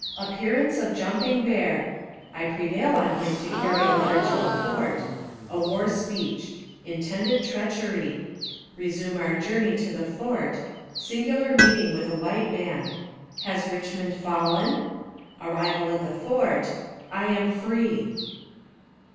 APPEARANCE OP JUMPING BEAR I PREVAIL ON HIM TO CARRY A LETTER TO THE FORT A WAR SPEECH INTENDED TREACHERY RESUME OUR JOURNEY TO THE FORT SINGULAR MEETING WITH A WHITE MAN "HAS RICHMOND FALLEN?" ARRIVAL AT THE FORT i AM FREE!